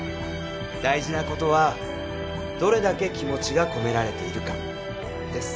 大事なことはどれだけ気持ちが込められているかです。